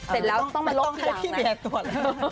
เสร็จแล้วต้องให้พี่แยะตรวจ